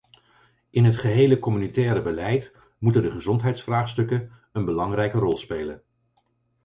In het gehele communautaire beleid moeten de gezondheidsvraagstukken een belangrijke rol spelen.